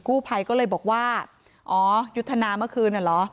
กู้ไพก็เลยบอกว่าอ๋อยุทนาเมื่อคืนหรอ